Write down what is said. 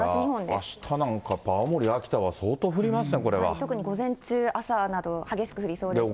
あしたなんか、青森、秋田は相当降りますね、特に午前中、朝など、激しく降りそうですね。